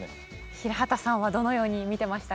平畠さんはどのように見てましたか？